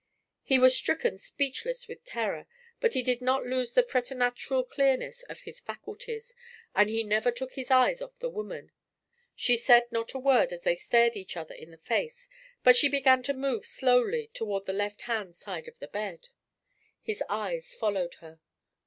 He was stricken speechless with terror, but he did not lose the preternatural clearness of his faculties, and he never took his eyes off the woman. She said not a word as they stared each other in the face, but she began to move slowly toward the left hand side of the bed. His eyes followed her.